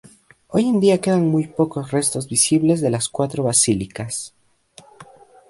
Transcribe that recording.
Hoy en día quedan muy pocos restos visibles de las cuatro basílicas.